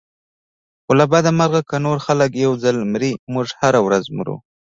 خو له بده مرغه که نور خلک یو ځل مري موږ هره ورځ مرو.